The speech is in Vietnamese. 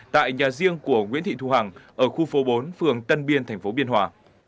tại nhà riêng của nguyễn thị thu hằng ở khu phố bốn phường tân biên tp biên hòa